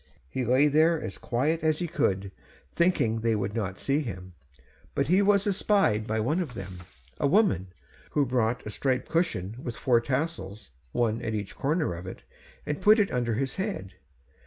He lay there as quiet as he could, thinking they would not see him, but he was espied by one of them, a woman, who brought a striped cushion with four tassels, one at each corner of it, and put it under his head.